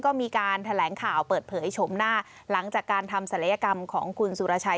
ก็มีการแถลงข่าวเปิดเผยชมหน้าหลังจากการทำศัลยกรรมของคุณสุรชัย